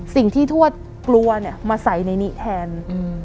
สิ่งที่ทวดกลัวเนี้ยมาใส่ในนี้แทนอืม